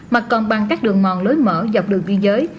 mà còn bằng các đường mòn lối mở dọc đường biên giới